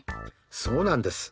そうなんです。